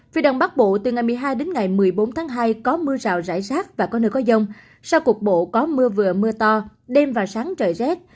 phía đông bắc bộ từ ngày một mươi hai đến ngày một mươi bốn tháng hai có mưa rào rải rác và có nơi có rông sau cuộc bộ có mưa vừa mưa to đêm và sáng trời rét